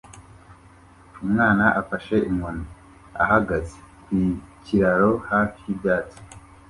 Umwana afashe inkoni ahagaze ku kiraro hafi y’ibyatsi